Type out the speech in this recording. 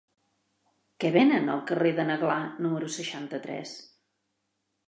Què venen al carrer de n'Aglà número seixanta-tres?